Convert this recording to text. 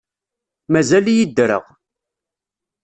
Mazal-iyi ddreɣ.